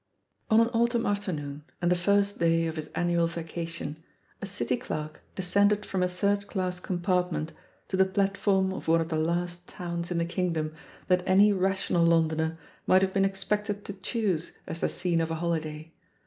On an autumn afternoon and the first day of his annual vacation, a city clerk descended from a third class compartment to the platform of one of the last towns in the kingdom that any rational Londoner might have been expected to choose as the scene of a holiday.